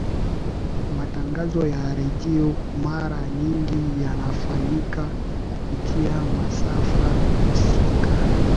matangazo ya redio mara nyingi yanafanyika kupitia masafa husika